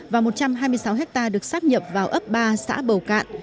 và một trăm hai mươi sáu hectare được sát nhập vào ấp ba xã bầu cạn